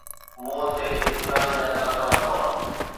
منهن تي اطمينان جا تاثرات هئا